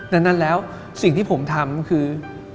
ดังนั้นแล้วสิ่งที่ผมทำคือ